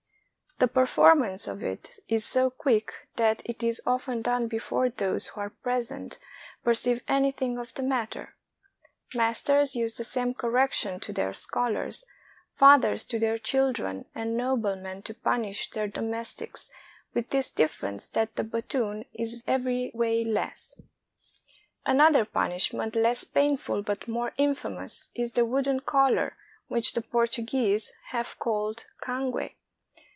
The perform ance of it is so quick that it is often done before those who are present perceive anything of the matter. Masters use the same correction to their scholars, fathers to their children, and noblemen to punish their domestics, with this difference that the battoon is every way less. 182 CHINESE PUNISHMENTS Another punishment, less painful, but more infa mous, is the wooden collar which the Portuguese have called cangue.